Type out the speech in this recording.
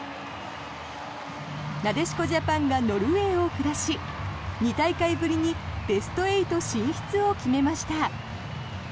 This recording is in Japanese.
なでしこジャパンがノルウェーを下し、２大会ぶりにベスト８進出を決めました。